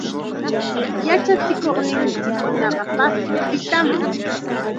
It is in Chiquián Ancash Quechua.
Yachachikuqniikunaqa Pascopitam.